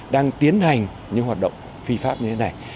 đang tiến hành những hoạt động phi pháp như thế này